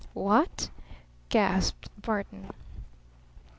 "What?" gasped Barton.